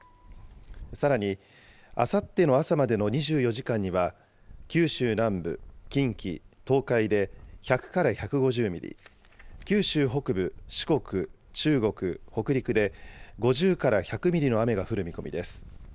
さらにあさっての朝までの２４時間には、九州南部、近畿、東海で１００から１５０ミリ、九州北部、四国、中国、北陸で５０から１００ミリの雨が降る見込みです。